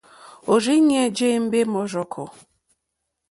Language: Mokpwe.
Òrzìɲɛ́ jé ěmbé mɔ́rzɔ̀kɔ̀.